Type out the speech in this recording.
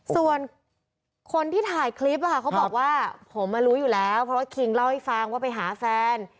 ส่วนคนที่ถ่ายคลิปเขาบอกว่าผมมารู้อยู่แล้วเพราะว่าคิงเล่าให้ฟังว่าไปหาแฟน